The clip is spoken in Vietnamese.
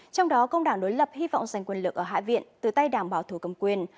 trong đó công đảng đối lập hy vọng giành quyền lực ở hạ viện từ tay đảng bảo thủ cầm quyền